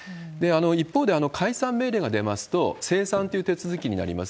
一方で、解散命令が出ますと、清算という手続きになります。